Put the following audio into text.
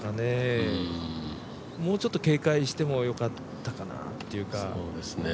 もうちょっと警戒しても良かったかなというか。